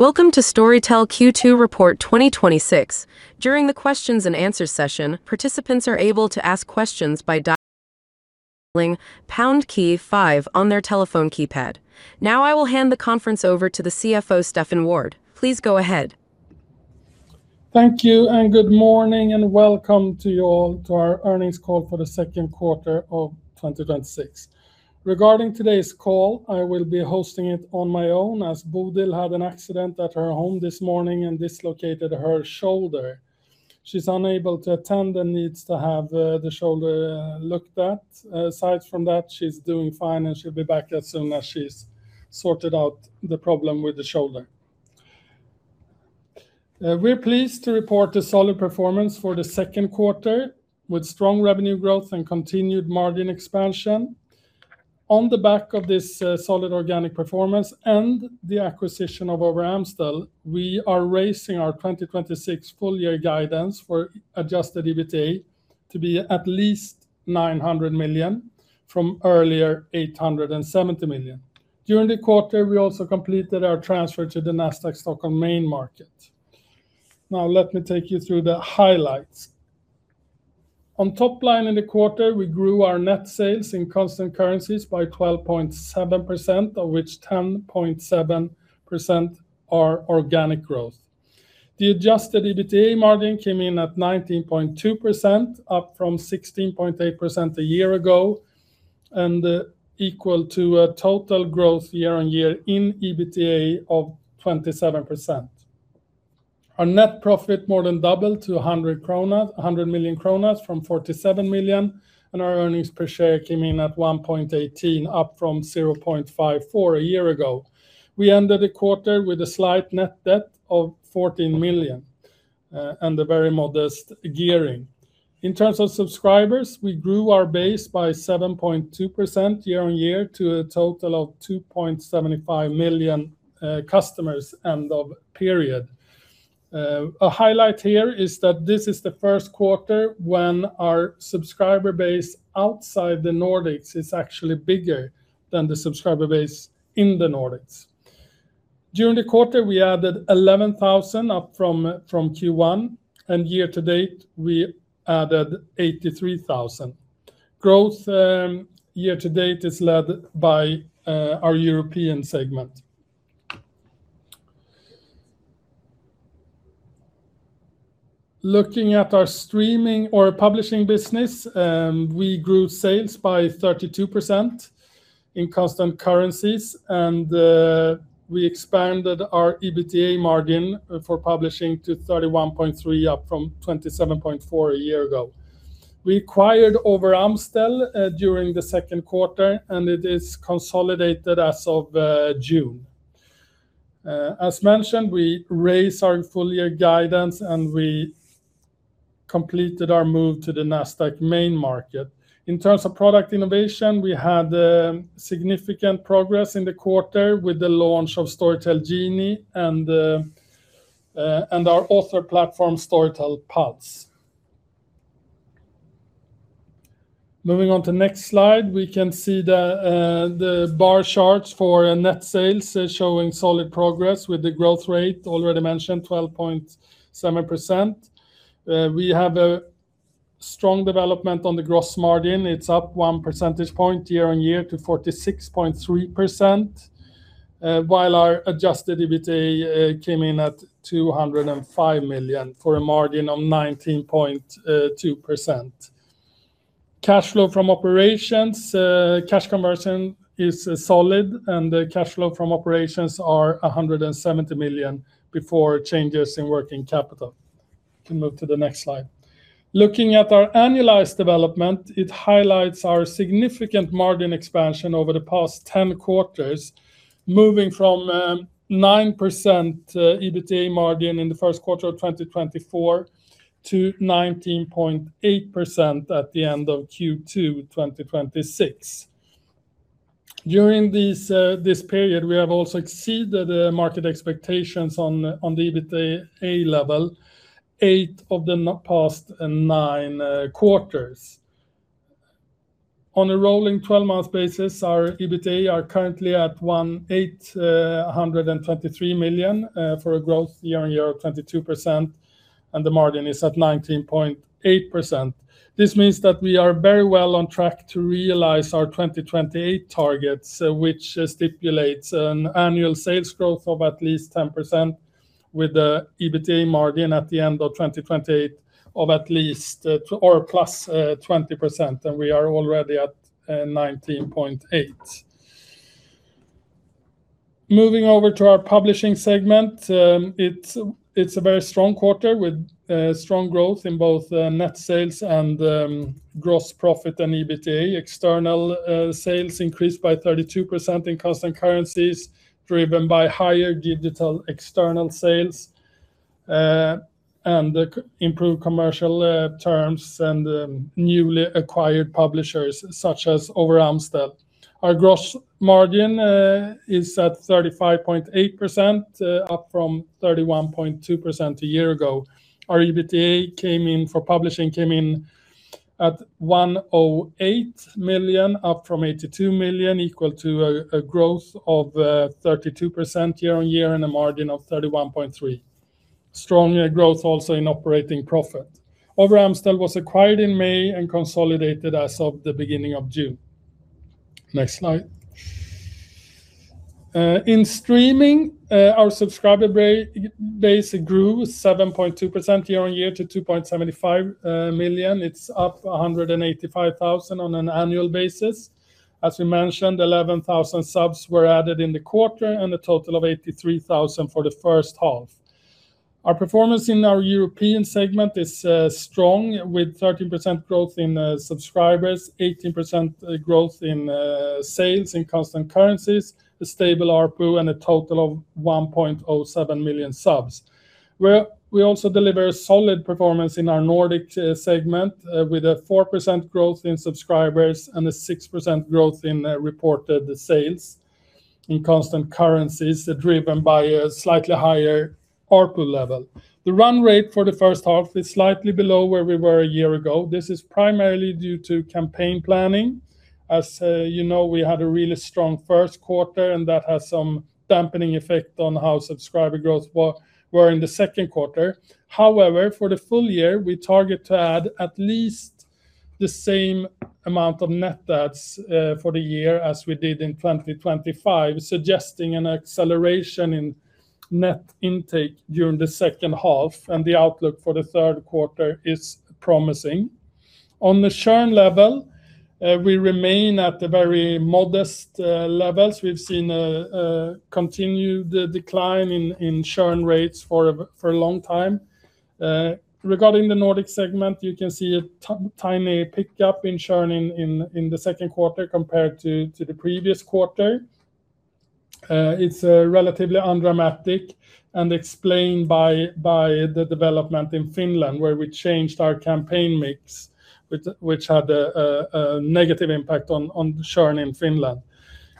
Welcome to Storytel Q2 Report 2026. During the questions-and-answers session, participants are able to ask questions by dialing pound five on their telephone keypad. I will hand the conference over to the CFO, Stefan Wård. Please go ahead. Thank you. Good morning, and welcome to you all to our earnings call for the second quarter of 2026. Regarding today's call, I will be hosting it on my own, as Bodil had an accident at her home this morning and dislocated her shoulder. She is unable to attend and needs to have the shoulder looked at. Aside from that, she is doing fine, and she will be back as soon as she is sorted out the problem with the shoulder. We are pleased to report a solid performance for the second quarter, with strong revenue growth and continued margin expansion. On the back of this solid organic performance and the acquisition of Overamstel, we are raising our 2026 full-year guidance for Adjusted EBITDA to be at least 900 million, from earlier 870 million. During the quarter, we also completed our transfer to the NASDAQ Stockholm main market. Let me take you through the highlights. On top line in the quarter, we grew our net sales in constant currencies by 12.7%, of which 10.7% are organic growth. The Adjusted EBITDA margin came in at 19.2%, up from 16.8% a year ago, equal to a total growth year-on-year in EBITDA of 27%. Our net profit more than doubled to 100 million kronor from 47 million, and our earnings per share came in at 1.18, up from 0.54 a year ago. We ended the quarter with a slight net debt of 14 million, a very modest gearing. In terms of subscribers, we grew our base by 7.2% year-on-year, to a total of 2.75 million customers end of period. A highlight here is that this is the first quarter when our subscriber base outside the Nordics is actually bigger than the subscriber base in the Nordics. During the quarter, we added 11,000 up from Q1. Year-to-date, we added 83,000. Growth year-to-date is led by our European segment. Looking at our streaming or publishing business, we grew sales by 32% in constant currencies. We expanded our EBITDA margin for publishing to 31.3, up from 27.4 a year ago. We acquired Overamstel during the second quarter. It is consolidated as of June. As mentioned, we raised our full-year guidance. We completed our move to the NASDAQ main market. In terms of product innovation, we had significant progress in the quarter with the launch of Storytel Genie and our author platform, Storytel Pulse. Moving on to next slide, we can see the bar charts for net sales showing solid progress with the growth rate already mentioned, 12.7%. We have a strong development on the gross margin. It's up one percentage point year-on-year to 46.3%, while our Adjusted EBITDA came in at 205 million for a margin of 19.2%. Cash flow from operations. Cash conversion is solid, and the cash flow from operations are 170 million before changes in working capital. Can move to the next slide. Looking at our annualized development, it highlights our significant margin expansion over the past 10 quarters, moving from 9% EBITDA margin in the first quarter of 2024 to 19.8% at the end of Q2 2026. During this period, we have also exceeded market expectations on the EBITDA level eight of the past nine quarters. On a rolling 12-month basis, our EBITDA are currently at 823 million for a growth year-on-year of 22%, and the margin is at 19.8%. This means that we are very well on track to realize our 2028 targets, which stipulates an annual sales growth of at least 10% with the EBITDA margin at the end of 2028 of at least or plus 20%, and we are already at 19.8%. Moving over to our publishing segment. It's a very strong quarter with strong growth in both net sales and gross profit and EBITDA. External sales increased by 32% in constant currencies, driven by higher digital external sales, and improved commercial terms, and newly acquired publishers such as Overamstel. Our gross margin is at 35.8%, up from 31.2% a year ago. Our EBITDA for publishing came in at 108 million, up from 82 million, equal to a growth of 32% year-on-year and a margin of 31.3%. Stronger growth also in operating profit. Overamstel was acquired in May and consolidated as of the beginning of June. Next slide. In streaming, our subscriber base grew 7.2% year-on-year to 2.75 million. It's up 185,000 on an annual basis. As we mentioned, 11,000 subs were added in the quarter and a total of 83,000 for the first half. Our performance in our European segment is strong, with 13% growth in subscribers, 18% growth in sales in constant currencies, a stable ARPU and a total of 1.07 million subs. We also deliver a solid performance in our Nordic segment, with a 4% growth in subscribers and a 6% growth in reported sales in constant currencies, driven by a slightly higher ARPU level. The run rate for the first half is slightly below where we were a year ago. This is primarily due to campaign planning. As you know, we had a really strong first quarter, and that has some dampening effect on how subscriber growth were in the second quarter. However, for the full year, we target to add at least the same amount of net adds for the year as we did in 2025, suggesting an acceleration in net intake during the second half, and the outlook for the third quarter is promising. On the churn level, we remain at the very modest levels. We've seen a continued decline in churn rates for a long time. Regarding the Nordic segment, you can see a tiny pickup in churning in the second quarter compared to the previous quarter. It's relatively undramatic and explained by the development in Finland, where we changed our campaign mix, which had a negative impact on churn in Finland.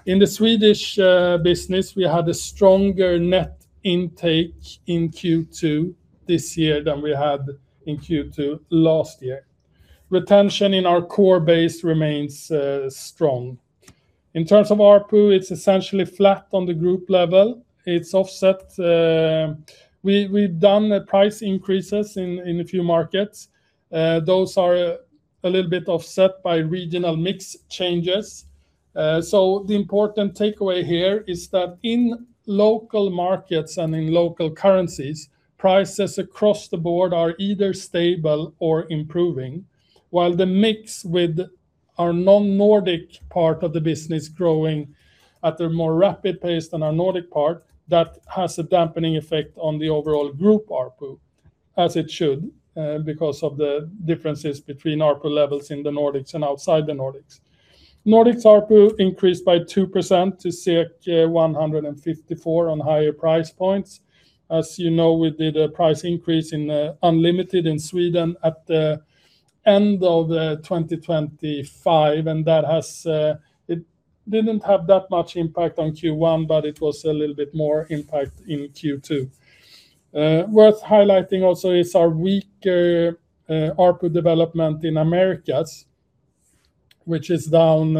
In the Swedish business, we had a stronger net intake in Q2 this year than we had in Q2 last year. Retention in our core base remains strong. In terms of ARPU, it's essentially flat on the group level. We've done price increases in a few markets. Those are a little bit offset by regional mix changes. The important takeaway here is that in local markets and in local currencies, prices across the board are either stable or improving, while the mix with our non-Nordic part of the business growing at a more rapid pace than our Nordic part, that has a dampening effect on the overall group ARPU, as it should, because of the differences between ARPU levels in the Nordics and outside the Nordics. Nordics ARPU increased by 2% to 154 on higher price points. As you know, we did a price increase in Unlimited in Sweden at the end of 2025. It didn't have that much impact on Q1, but it was a little bit more impact in Q2. Worth highlighting also is our weaker ARPU development in Americas, which is down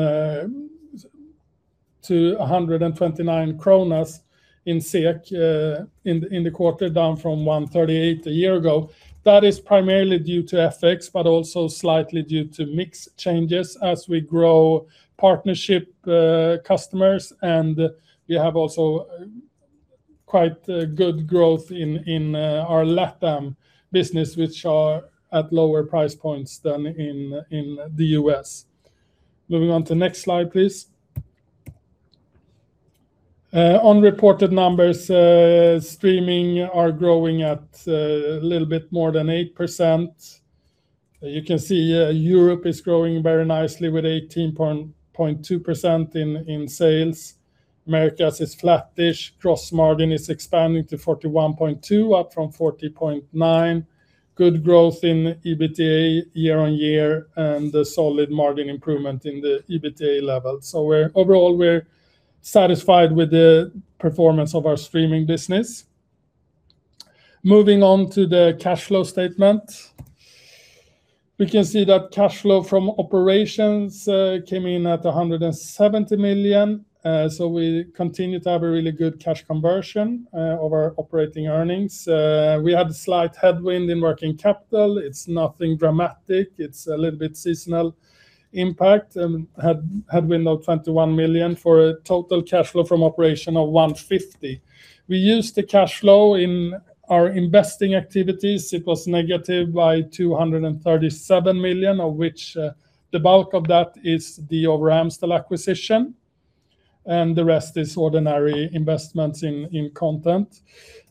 to 129 kronor in the quarter, down from 138 a year ago. That is primarily due to FX, but also slightly due to mix changes as we grow partnership customers, and we have also quite good growth in our LATAM business, which are at lower price points than in the U.S. Moving on to the next slide, please. On reported numbers, streaming are growing at a little bit more than 8%. You can see Europe is growing very nicely with 18.2% in sales. Americas is flattish. Gross margin is expanding to 41.2% up from 40.9%. Good growth in EBITDA year-on-year, and a solid margin improvement in the EBITDA level. Overall, we're satisfied with the performance of our streaming business. Moving on to the cash flow statement. We can see that cash flow from operations came in at 170 million. We continue to have a really good cash conversion of our operating earnings. We had a slight headwind in working capital. It's nothing dramatic. It's a little bit seasonal impact. Headwind of 21 million for a total cash flow from operation of 150. We used the cash flow in our investing activities. It was negative by 237 million, of which the bulk of that is the Overamstel acquisition, and the rest is ordinary investments in content.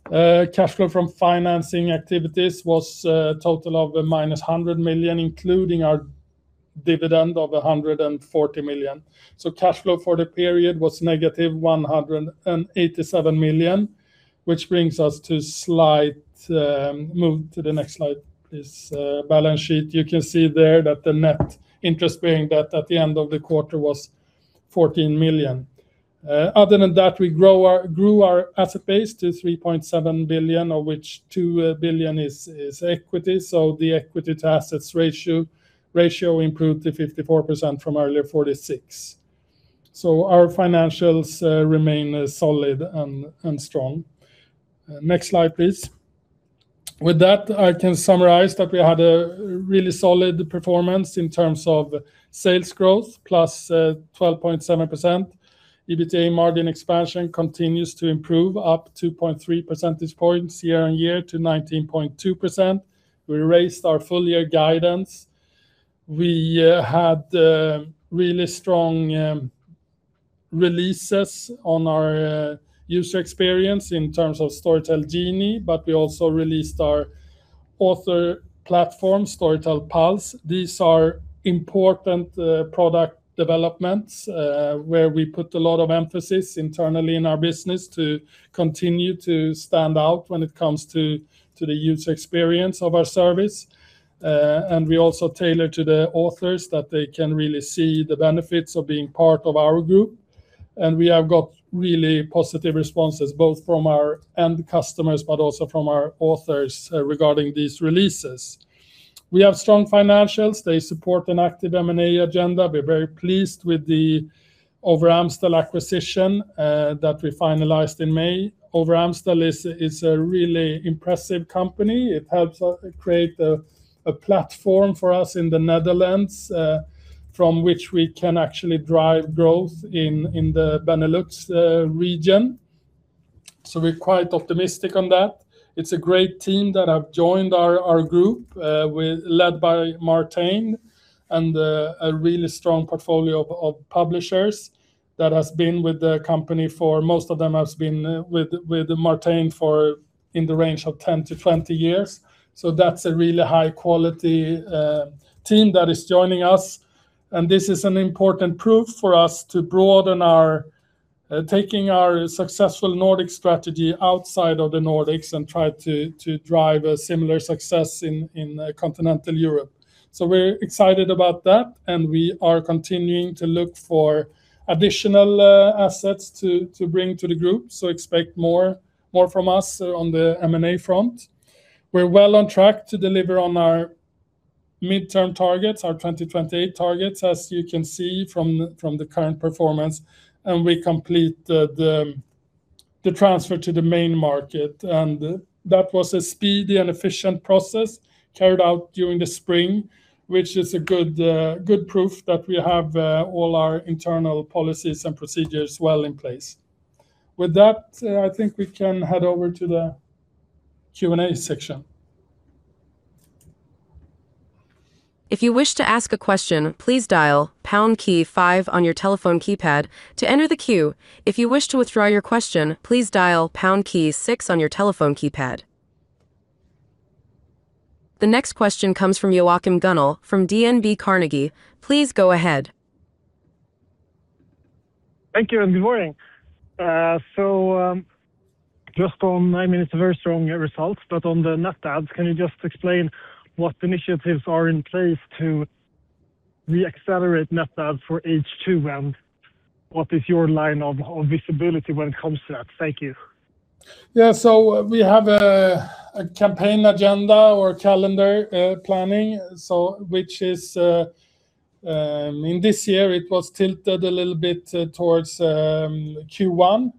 Cash flow from financing activities was a total of -100 million, including our dividend of 140 million. Cash flow for the period was -187 million, which brings us to slight, move to the next slide, please. Balance sheet. You can see there that the net interest bearing debt at the end of the quarter was 14 million. Other than that, we grew our asset base to 3.7 billion, of which 2 billion is equity. The equity to assets ratio improved to 54% from earlier 46%. Our financials remain solid and strong. Next slide, please. With that, I can summarize that we had a really solid performance in terms of sales growth, +12.7%. EBITDA margin expansion continues to improve up 2.3 percentage points year-on-year to 19.2%. We raised our full-year guidance. We had really strong releases on our user experience in terms of Storytel Genie, but we also released our author platform, Storytel Pulse. These are important product developments, where we put a lot of emphasis internally in our business to continue to stand out when it comes to the user experience of our service. We also tailor to the authors that they can really see the benefits of being part of our group. We have got really positive responses both from our end customers, but also from our authors regarding these releases. We have strong financials. They support an active M&A agenda. We're very pleased with the Overamstel acquisition that we finalized in May. Overamstel is a really impressive company. It helps create a platform for us in the Netherlands, from which we can actually drive growth in the Benelux region. We're quite optimistic on that. It's a great team that have joined our group, led by Martijn, and a really strong portfolio of publishers that has been with the company for, most of them have been with Martijn in the range of 10-20 years. That's a really high-quality team that is joining us, and this is an important proof for us to broaden our taking our successful Nordic strategy outside of the Nordics and try to drive a similar success in continental Europe. We're excited about that, and we are continuing to look for additional assets to bring to the group, expect more from us on the M&A front. We're well on track to deliver on our mid-term targets, our 2028 targets, as you can see from the current performance. We complete the transfer to the main market, and that was a speedy and efficient process carried out during the spring, which is a good proof that we have all our internal policies and procedures well in place. With that, I think we can head over to the Q and A section. If you wish to ask a question, please dial pound key five on your telephone keypad to enter the queue. If you wish to withdraw your question, please dial pound key six on your telephone keypad. The next question comes from Joachim Gunell from DNB Carnegie. Please go ahead. Thank you, and good morning. Just on, I mean, it's very strong results, but on the net adds, can you just explain what initiatives are in place to re-accelerate net adds for H2 and what is your line of visibility when it comes to that? Thank you. Yeah. We have a campaign agenda or calendar planning. In this year, it was tilted a little bit towards Q1.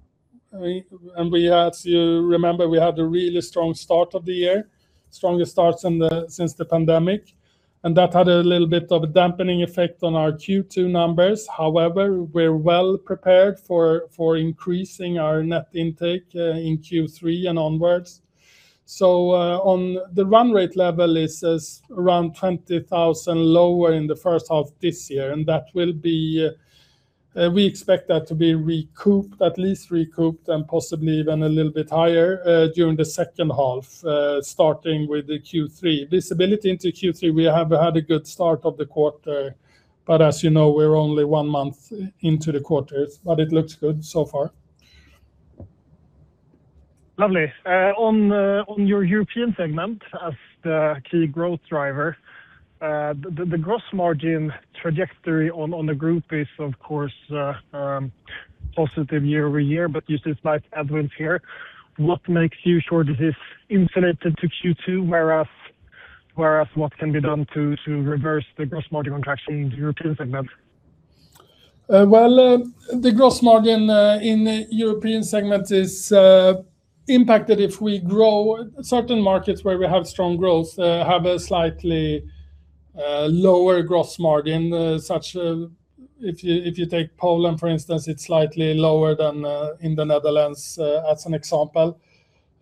If you remember, we had a really strong start of the year, strongest start since the pandemic, and that had a little bit of a dampening effect on our Q2 numbers. However, we're well prepared for increasing our net intake in Q3 and onwards. On the run rate level is around 20,000 lower in the first half this year. We expect that to be recouped, at least recouped and possibly even a little bit higher, during the second half, starting with the Q3. Visibility into Q3, we have had a good start of the quarter, but as you know, we're only one month into the quarter. It looks good so far. Lovely. On your European segment as the key growth driver, the gross margin trajectory on the group is, of course, positive year-over-year, but you see a slight advance here. What makes you sure this insulated to Q2? Whereas, what can be done to reverse the gross margin contraction in the European segment? Well, the gross margin in the European segment is impacted if we grow certain markets where we have strong growth, have a slightly lower gross margin. If you take Poland, for instance, it's slightly lower than in the Netherlands as an example.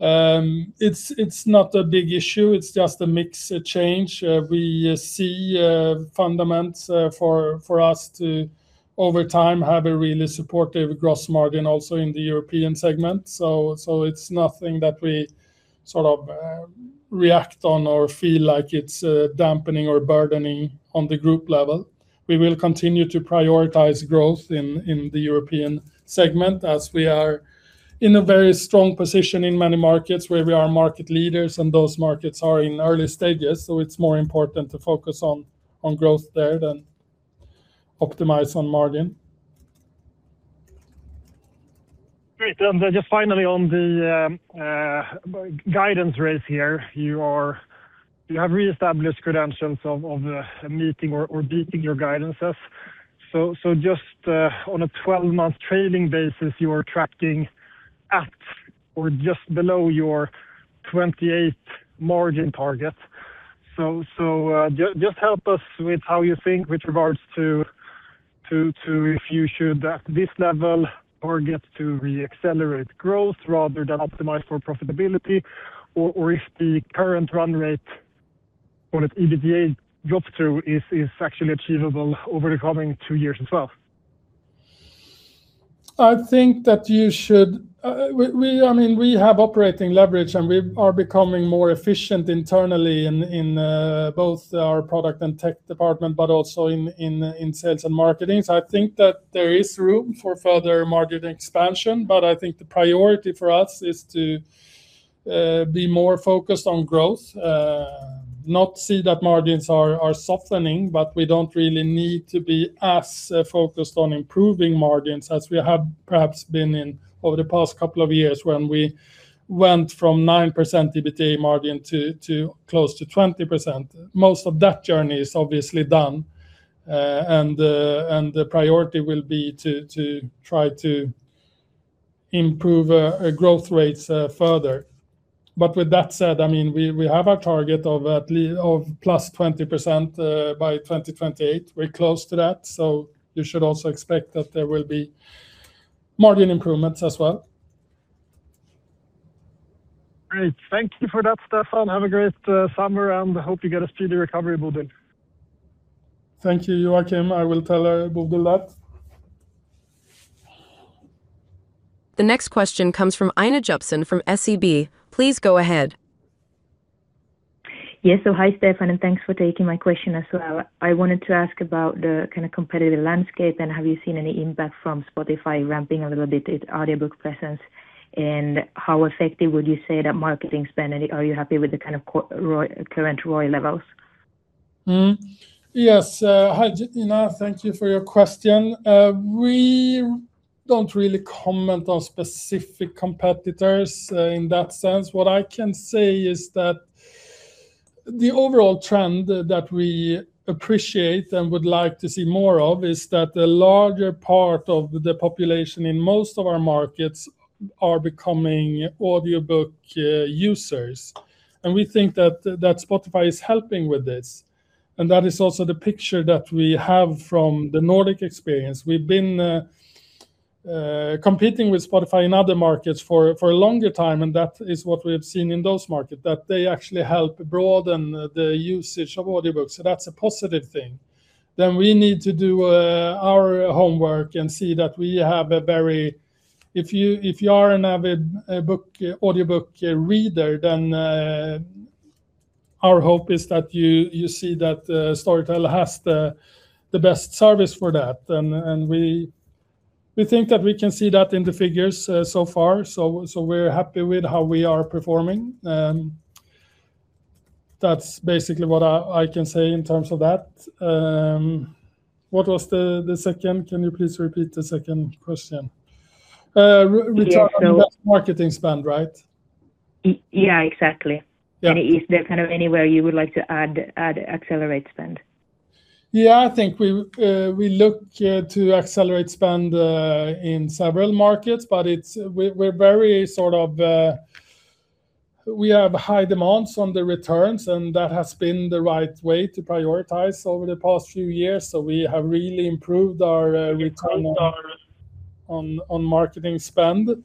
It's not a big issue. It's just a mix change. We see fundamentals for us to, over time, have a really supportive gross margin also in the European segment. It's nothing that we sort of react on or feel like it's dampening or burdening on the group level. We will continue to prioritize growth in the European segment as we are in a very strong position in many markets where we are market leaders, and those markets are in early stages. It's more important to focus on growth there than optimize on margin. Great. Just finally on the guidance rates here, you have reestablished credentials of meeting or beating your guidances. Just on a 12-month trailing basis, you are tracking at or just below your 2028 margin target. Just help us with how you think with regards to if you should, at this level, target to re-accelerate growth rather than optimize for profitability, or if the current run rate on its EBITDA drop-through is actually achievable over the coming two years as well. I think that we have operating leverage, and we are becoming more efficient internally in both our product and tech department, but also in sales and marketing. I think that there is room for further margin expansion. I think the priority for us is to be more focused on growth. Not see that margins are softening, but we don't really need to be as focused on improving margins as we have perhaps been in over the past couple of years, when we went from 9% EBITDA margin to close to 20%. Most of that journey is obviously done. The priority will be to try to improve growth rates further. With that said, we have a target of plus 20% by 2028. We're close to that. You should also expect that there will be margin improvements as well. Great. Thank you for that, Stefan. Have a great summer, and I hope you get a speedy recovery, Bodil. Thank you, Joachim. I will tell Bodil that. The next question comes from Ina Jepsen from SEB. Please go ahead. Yes. Hi Stefan, thanks for taking my question as well. I wanted to ask about the kind of competitive landscape. Have you seen any impact from Spotify ramping a little bit its audiobook presence, and how effective would you say that marketing spend? Are you happy with the kind of current ROI levels? Mm-hmm. Yes. Hi Ina, thank you for your question. We don't really comment on specific competitors in that sense. What I can say is that the overall trend that we appreciate and would like to see more of is that the larger part of the population in most of our markets are becoming audiobook users. We think that Spotify is helping with this. That is also the picture that we have from the Nordic experience. We've been competing with Spotify in other markets for a longer time. That is what we have seen in those markets, that they actually help broaden the usage of audiobooks. That's a positive thing. We need to do our homework. See that we have a very. If you are an avid audiobook reader, our hope is that you see that Storytel has the best service for that. We think that we can see that in the figures so far. We're happy with how we are performing, that's basically what I can say in terms of that. What was the second? Can you please repeat the second question? Yeah. Return on investment marketing spend, right? Yeah, exactly. Yeah. Is there kind of anywhere you would like to add, accelerate spend? Yeah, I think we look to accelerate spend in several markets. We have high demands on the returns, and that has been the right way to prioritize over the past few years. We have really improved our return on marketing spend.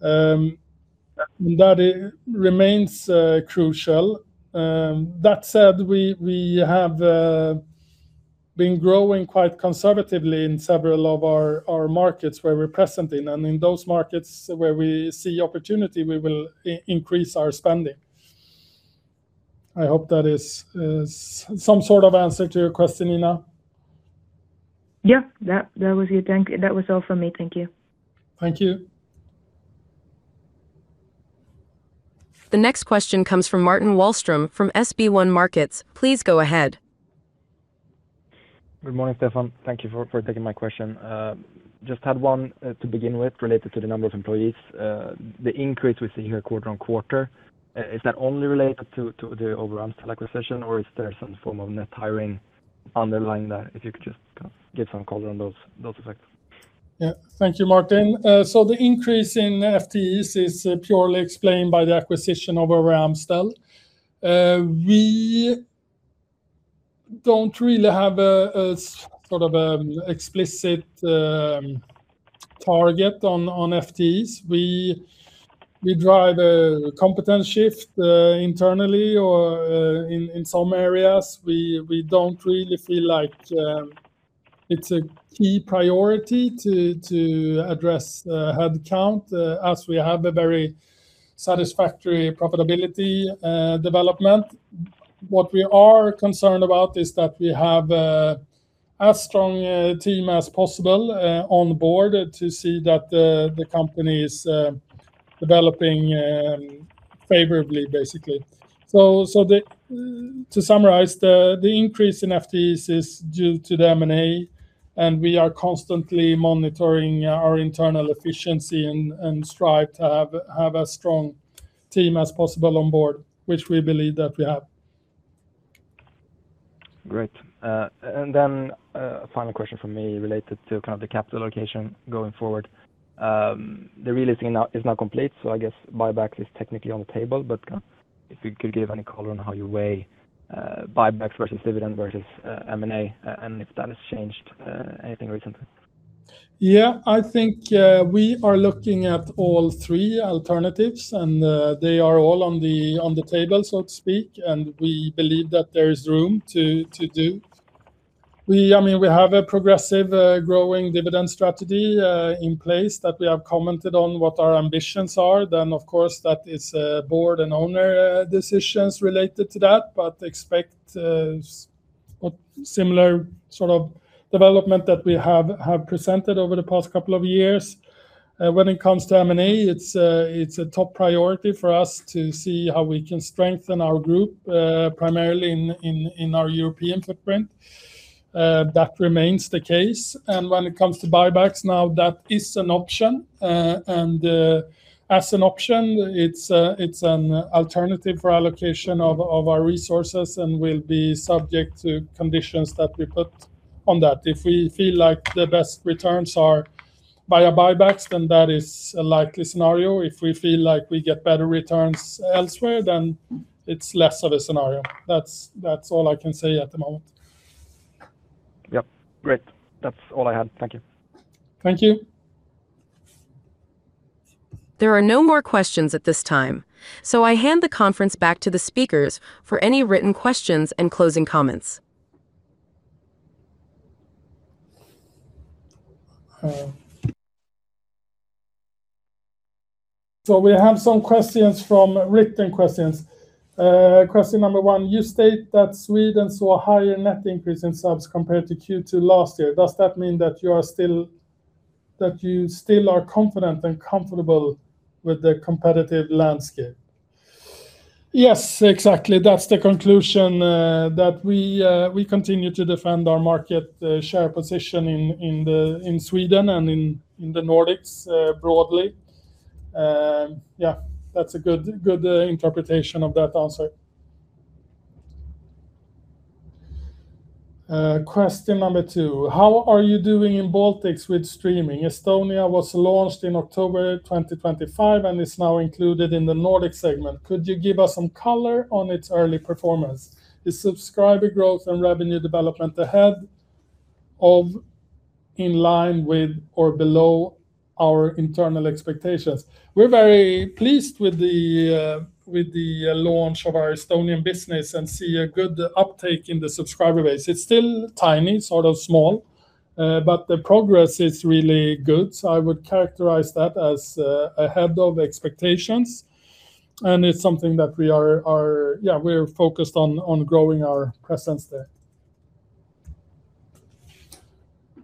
That remains crucial. That said, we have been growing quite conservatively in several of our markets where we're present in. In those markets where we see opportunity, we will increase our spending. I hope that is some sort of answer to your question, Ina. Yeah. That was it. Thank you. That was all from me. Thank you. Thank you. The next question comes from Martin Wahlström from SB1 Markets. Please go ahead. Good morning, Stefan. Thank you for taking my question. Just had one to begin with related to the number of employees. The increase we see here quarter-on-quarter, is that only related to the Overamstel acquisition, or is there some form of net hiring underlying that? If you could just kind of give some color on those effects. Yeah. Thank you, Martin. The increase in FTEs is purely explained by the acquisition of Overamstel. We don't really have a sort of explicit target on FTEs. We drive a competence shift internally or in some areas. We don't really feel like it's a key priority to address headcount, as we have a very satisfactory profitability development. What we are concerned about is that we have as strong a team as possible on board to see that the company is developing favorably, basically. To summarize, the increase in FTEs is due to the M&A, and we are constantly monitoring our internal efficiency and strive to have as strong team as possible on board, which we believe that we have. Great. A final question from me related to the capital allocation going forward. The re-listing is now complete, so I guess buyback is technically on the table, but if you could give any color on how you weigh buybacks versus dividend versus M&A and if that has changed anything recently. Yeah. I think we are looking at all three alternatives, and they are all on the table, so to speak. We believe that there is room to do. We have a progressive growing dividend strategy in place that we have commented on what our ambitions are. Of course, that it's board and owner decisions related to that, but expect a similar sort of development that we have presented over the past couple of years. When it comes to M&A, it's a top priority for us to see how we can strengthen our group, primarily in our European footprint. That remains the case. When it comes to buybacks, now that is an option. As an option, it's an alternative for allocation of our resources and will be subject to conditions that we put on that. If we feel like the best returns are via buybacks, then that is a likely scenario. If we feel like we get better returns elsewhere, then it's less of a scenario. That's all I can say at the moment. Yep. Great. That's all I had. Thank you. Thank you. There are no more questions at this time. I hand the conference back to the speakers for any written questions and closing comments. We have some questions from written questions. Question number one: You state that Sweden saw a higher net increase in subs compared to Q2 last year. Does that mean that you still are confident and comfortable with the competitive landscape? Yes, exactly. That's the conclusion, that we continue to defend our market share position in Sweden and in the Nordics broadly. Yeah. That's a good interpretation of that answer. Question number two: How are you doing in Baltics with streaming? Estonia was launched in October 2025 and is now included in the Nordic segment. Could you give us some color on its early performance? Is subscriber growth and revenue development ahead of, in line with, or below our internal expectations? We're very pleased with the launch of our Estonian business and see a good uptake in the subscriber base. It's still tiny, sort of small, but the progress is really good. I would characterize that as ahead of expectations, and it's something that we're focused on growing our presence there.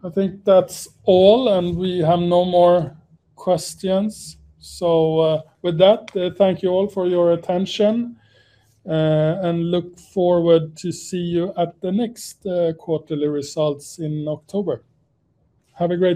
I think that's all, and we have no more questions. With that, thank you all for your attention, and look forward to see you at the next quarterly results in October. Have a great day